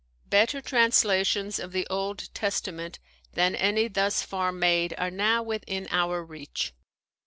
^ Better translations of the Old Testament than any thus far made are now within our reach.